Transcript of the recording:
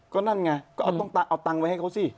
ก็นั่นไงก็เอาตังค์ไว้ให้เขาสิ